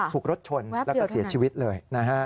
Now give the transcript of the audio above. ถูกรถชนและเสียชีวิตเลย